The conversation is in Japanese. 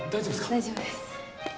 大丈夫です。